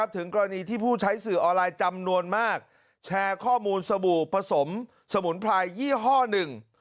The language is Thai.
ถึงกรณีที่ผู้ใช้สื่อออนไลน์จำนวนมากแชร์ข้อมูลสบู่ผสมสมุนไพรยี่ห้อหนึ่ง